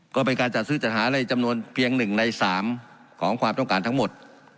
ก็เป็นการจัดซื้อจัดหาอะไรจำนวนเพียง๑ใน๓ของความต้องการทั้งหมด